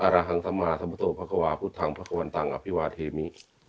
รหังสมาสมโตพระควาพุทธังพระควรตังอภิวาเทมิ